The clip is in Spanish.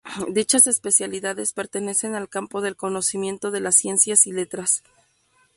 Dichas especialidades pertenecen al campo del conocimiento de las ciencias y letras.